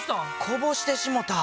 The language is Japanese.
こぼしてしもた。